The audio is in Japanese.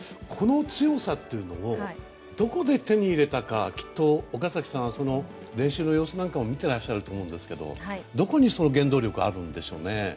この強さというのをどこで手に入れたかきっと岡崎さんは練習の様子も見ていらっしゃると思うんですけどどこにその原動力はあるんでしょうね？